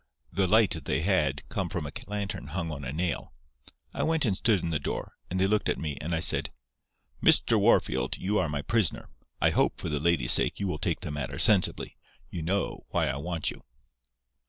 The light they had come from a lantern hung on a nail. I went and stood in the door, and they looked at me, and I said: "'Mr. Wahrfield, you are my prisoner. I hope, for the lady's sake, you will take the matter sensibly. You know why I want you.